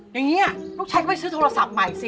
อย่างนี้ลูกชายก็ไปซื้อโทรศัพท์ใหม่สิ